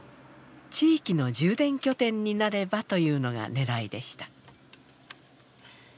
「地域の充電拠点になれば」というのがねらいでした。